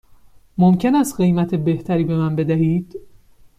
ممکن است قیمت بهتری به من بدهید؟